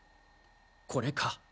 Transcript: これか。